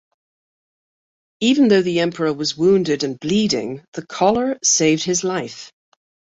Even though the Emperor was wounded and bleeding, the collar saved his life.